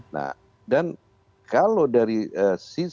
nah dan kalau dari sisi